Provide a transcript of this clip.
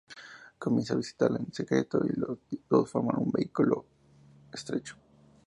Comienza a visitarla en secreto y los dos forman un vínculo estrecho.